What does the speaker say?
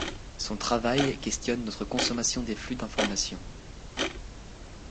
Son travail questionne notre consommation des flux d'informations.